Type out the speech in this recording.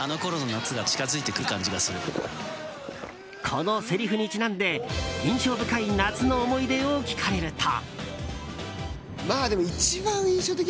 このせりふにちなんで印象深い夏の思い出を聞かれると。